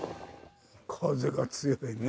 風が強いね。